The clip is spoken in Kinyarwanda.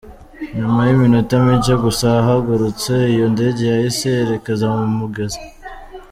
Nyuma y’iminota mike gusa ihagurutse, iyo ndege yahise yerekeza mu mugezi.